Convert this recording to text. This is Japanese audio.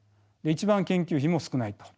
一番研究費も少ないと。